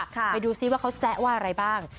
ไปดูซิว่าเขาแซะว่าอะไรบ้าง